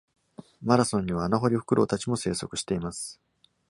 マラソンにはアナホリフクロウたちも生息しています。